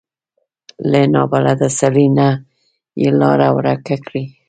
له نابلده سړي نه یې لاره ورکه کړي.